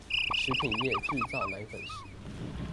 食品業製造奶粉時